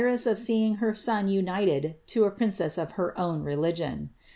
sirout of seeing her son united to a princess of her own religion.